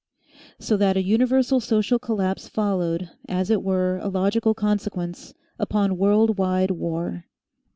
So that a universal social collapse followed, as it were a logical consequence, upon world wide war.